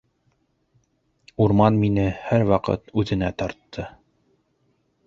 Урман мине һәр ваҡыт үҙенә тартты.